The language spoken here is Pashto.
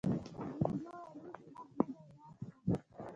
احمد وویل اوس وخت نه دی لاړ شه.